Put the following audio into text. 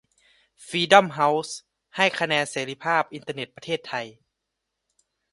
ฟรีด้อมเฮ้าส์ ให้คะแนนเสรีภาพอินเทอร์เน็ตประเทศไทย